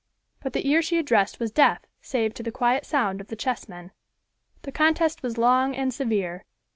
But the ear she addressed was deaf save to the quiet sound of the chessmen. The contest was long and severe.